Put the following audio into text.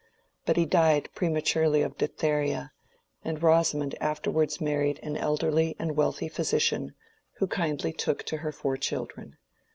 But he died prematurely of diphtheria, and Rosamond afterwards married an elderly and wealthy physician, who took kindly to her four children.